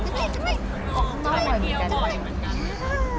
พี่นุฏพาน้องก็มาเยอะบ่อย